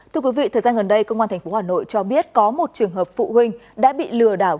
thưa quý vị thời gian gần đây công an tp hà nội cho biết có một trường hợp phụ huynh đã bị lừa đảo